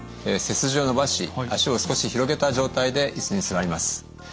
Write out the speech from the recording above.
背筋を伸ばし足を少し広げた状態でいすに座ります。